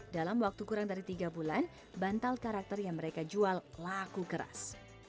dalam waktu kurang dari tiga bulan bantal karakter yang mereka jual laku keras